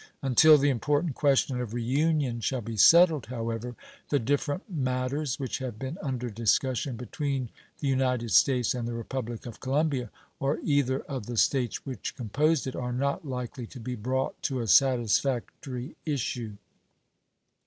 Until the important question of reunion shall be settled, however, the different matters which have been under discussion between the United States and the Republic of Colombia, or either of the States which composed it, are not likely to be brought to a satisfactory issue.